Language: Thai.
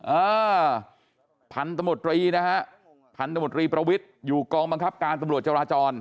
เออพันธมตรีนะฮะพันธมตรีประวิทย์อยู่กองบังคับการตำรวจจราจร